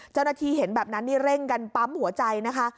เจ้าหน้าที่เห็นแบบนั้นนี่เร่งกันปั๊มหัวใจนะคะ